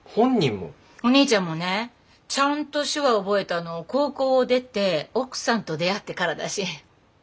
お兄ちゃんもねちゃんと手話覚えたの高校を出て奥さんと出会ってからだし。